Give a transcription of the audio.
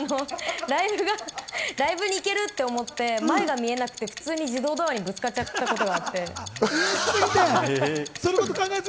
ライブに行けるって思って前が見えなくて、普通に自動ドアにぶつかっちゃったことがあって。